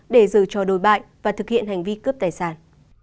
để giữ cho đồi bại và thực hiện hành vi cướp tài sản